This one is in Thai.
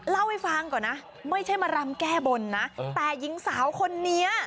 เล่าให้ฟังก่อนนะไม่ใช่มารำแก้บนนะแต่หญิงสาวคนนี้